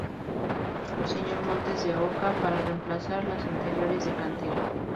Sr. Montes de Oca, para remplazar las anteriores de cantera.